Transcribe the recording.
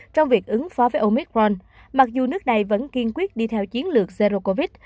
trong việc ứng phó với omicron mặc dù nước này vẫn kiên quyết đi theo chiến lược zero covid